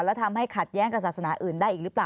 แล้วทำให้ขัดแย้งกับศาสนาอื่นได้อีกหรือเปล่า